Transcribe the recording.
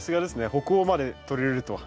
北欧まで取り入れるとは。